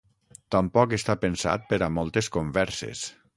Tampoc està pensat per a moltes converses.